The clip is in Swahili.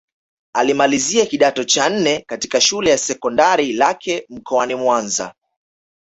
Alimalizia kidato cha nne katika Shule ya Sekondari Lake mkoani Mwanza